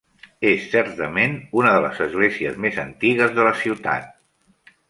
És certament una de les esglésies més antigues de la ciutat.